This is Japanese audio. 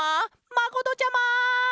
まことちゃま！